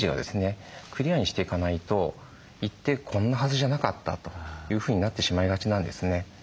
クリアにしていかないと行ってこんなはずじゃなかったというふうになってしまいがちなんですね。